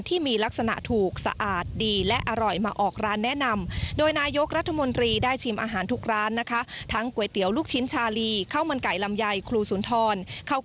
ทุกร้านนะคะทั้งก๋วยเตี๋ยวลูกชิ้นชาลีเข้ามันไก่ลำไยครูสุนทร